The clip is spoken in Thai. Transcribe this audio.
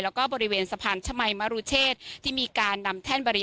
แล้วก็บริเวณสะพานชมัยมรุเชษที่มีการนำแท่นบริ